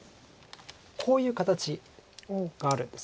こういう形があるんです。